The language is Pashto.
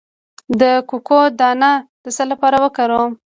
د کوکو دانه د څه لپاره وکاروم؟